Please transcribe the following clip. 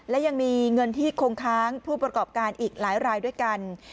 และยังมีเงินที่คงค้างผู้ประกอบการอีกหลายรายด้วยกัน